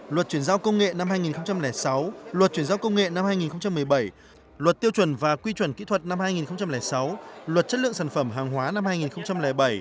luật chuyển giao công nghệ năm hai nghìn một mươi bảy luật tiêu chuẩn và quy chuẩn kỹ thuật năm hai nghìn sáu luật chất lượng sản phẩm hàng hóa năm hai nghìn bảy